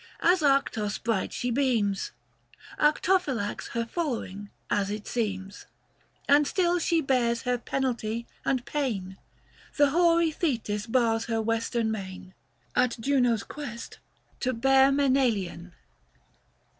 As Arctos bright she beams, Arctophylax her following, as it seems. And still she bears her penalty and pain, The hoary Thetis bars her western main, At Juno's quest, to Bear Mseualian.